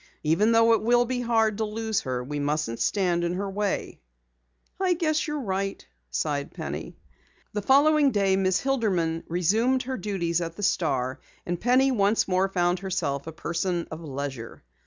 Even though it will be hard to lose her, we mustn't stand in her way." "I guess you're right," sighed Penny. The following day Miss Hilderman resumed her duties at the Star, and Penny once more found herself a person of leisure.